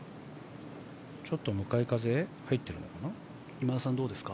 ちょっと向かい風が入っているのかな。